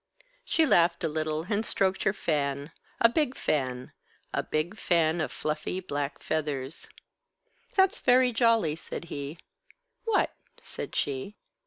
She laughed a little, and stroked her fan, a big fan, a big fan of fluffy black feathers. "That's very jolly," said he. "What?" said she.